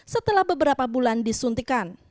setelah beberapa bulan disuntikan